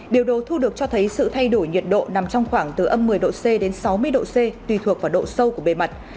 điều đồ thu được cho thấy sự thay đổi nhiệt độ nằm trong khoảng từ âm một mươi độ c đến sáu mươi độ c tùy thuộc vào độ sâu của bề mặt